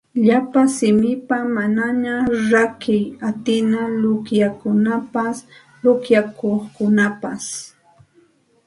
Llapa simipa manaña rakiy atina luqyanakunapas luqyanayuqkunapas